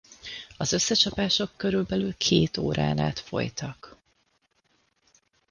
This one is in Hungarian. Az összecsapások körülbelül két órán át folytak.